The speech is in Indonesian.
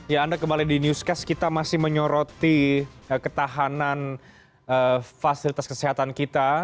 ya anda kembali di newscast kita masih menyoroti ketahanan fasilitas kesehatan kita